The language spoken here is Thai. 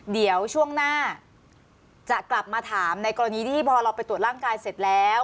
เดี๋ยวช่วงหน้าจะกลับมาถามในกรณีที่พอเราไปตรวจร่างกายเสร็จแล้ว